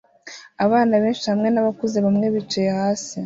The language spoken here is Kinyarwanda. Abana benshi hamwe nabakuze bamwe bicaye hasi